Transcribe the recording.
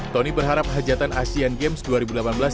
tony berharap hajatan asian games